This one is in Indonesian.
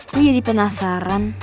gue jadi penasaran